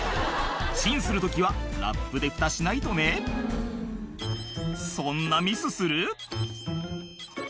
チンする時はラップでフタしないとねそんなミスする？